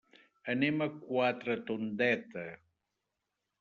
Anem a Quatretondeta.